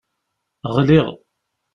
Ɣliɣ